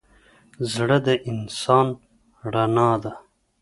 زړه د انسان رڼا ده.